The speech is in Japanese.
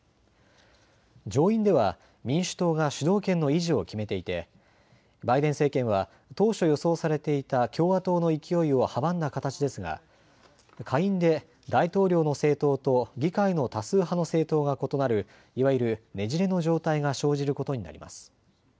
上院では民主党が主導権の維持を決めていて、バイデン政権は当初、予想されていた共和党の勢いを阻んだ形ですが、下院で大統領の政党と議会の多数派の政党が異なるいわゆるねじれの状態が生じることになります。